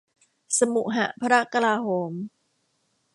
สมุหพระกลาโหม